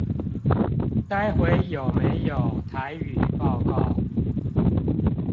待會有沒有台語報告